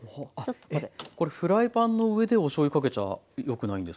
えっこれフライパンの上でおしょうゆかけちゃよくないんですか？